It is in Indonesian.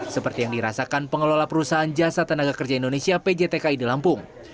seperti yang dirasakan pengelola perusahaan jasa tenaga kerja indonesia pjtki di lampung